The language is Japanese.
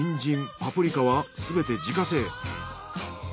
パプリカはすべて自家製。